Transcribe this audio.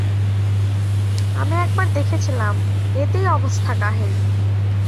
আমি একবার দেখেছিলাম, এতেই অবস্থা কাহিল।